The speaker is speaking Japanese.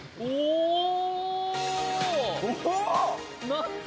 何だ？